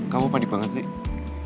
kamu panik banget sih